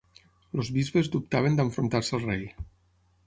Els bisbes dubtaven d'enfrontar-se al rei.